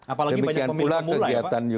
apalagi banyak pemilu pemula ya pak